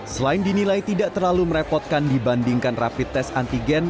selain dinilai tidak terlalu merepotkan dibandingkan rapid test antigen